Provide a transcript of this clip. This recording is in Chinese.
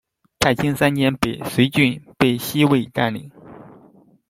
太清三年北随郡被西魏占领。